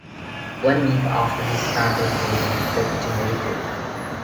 One week after this battle Poland capitulated.